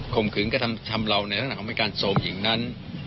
คมขึ้นกระทำเวลาในขณะของพระการทรวมหญิงนั้น